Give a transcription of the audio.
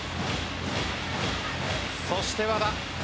そして、和田。